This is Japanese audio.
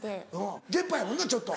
出っ歯やもんなちょっと。